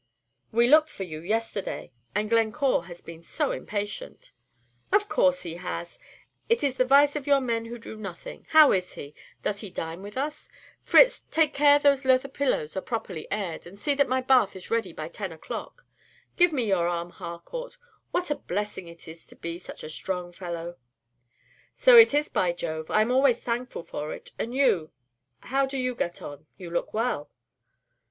"We looked for you yesterday, and Glencore has been so impatient." "Of course he has; it is the vice of your men who do nothing. How is he? Does he dine with us? Fritz, take care those leather pillows are properly aired, and see that my bath is ready by ten o 'clock. Give me your arm, Harcourt; what a blessing it is to be such a strong fellow!" "So it is, by Jove! I am always thankful for it. And you how do you get on? You look well."